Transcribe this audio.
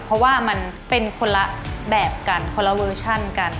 เพราะว่ามันเป็นคนละแบบกันคนละเวอร์ชั่นกัน